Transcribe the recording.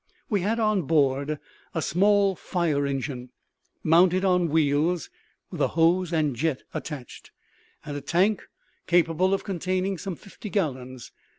We had on board a small fire engine, mounted on wheels, with a hose and jet attached, and a tank capable of containing some fifty gallons.